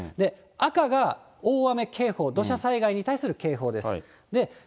赤が大雨警報、土砂災害に対する警報です。